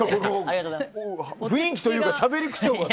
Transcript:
雰囲気というかしゃべり口調が。